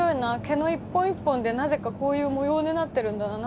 毛の一本一本でなぜかこういう模様になってるんだな。